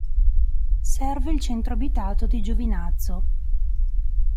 Serve il centro abitato di Giovinazzo.